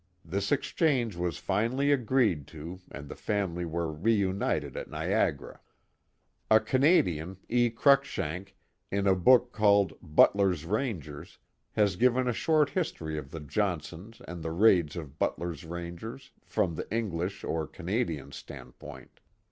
This exchange was finally agreed to and the family were reunited at Niagara, A Canadian, E. Cruikshank, in a book called Butler's Rangers, has given a short history of the Johnsons and the raids of Butler's Rangers, from the English or Canadian standpoint.